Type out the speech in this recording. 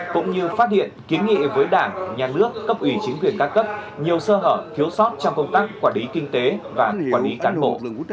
cũng như phát hiện kiến nghị với đảng nhà nước cấp ủy chính quyền ca cấp nhiều sơ hở thiếu sót trong công tác quản lý kinh tế và quản lý cán bộ